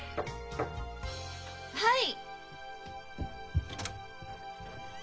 はい。